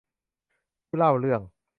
ผู้เล่าเรื่อง